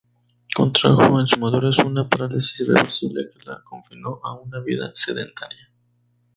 Contrajo en su madurez una parálisis irreversible que la confinó a una vida sedentaria.